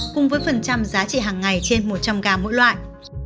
cùng với phần trăm giá trị hàng ngày trên một trăm linh gà mỗi loại